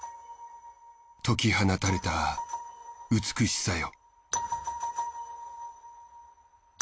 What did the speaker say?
解き放たれた美しさよ。